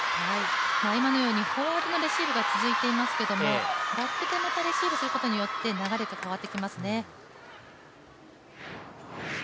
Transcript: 今のようにフォアのレシーブが続いていますけどバックのレシーブをすることによって流れが変わってきますね。